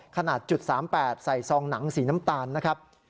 ขนาด๓๘ใส่ซองหนังสีน้ำตาลนะครับ